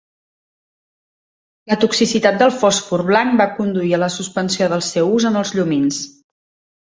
La toxicitat del fòsfor blanc va conduir a la suspensió del seu ús en els llumins.